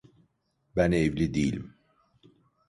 Ben evli değilim.